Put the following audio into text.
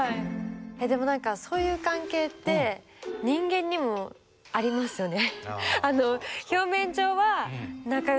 でも何かそういう関係って人間にもありますよね。